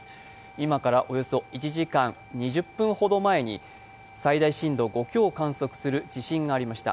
今からおよそ１時間２０分ほど前に最大震度５強を観測する地震がありました。